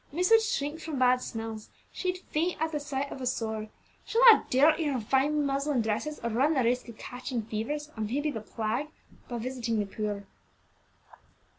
Miss would shrink from bad smells; she'd faint at the sight of a sore. She'll not dirty her fine muslin dresses, or run the risk of catching fevers, or may be the plague, by visiting the poor."